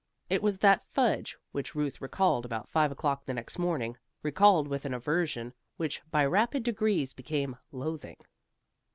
It was that fudge which Ruth recalled about five o'clock the next morning, recalled with an aversion which by rapid degrees became loathing.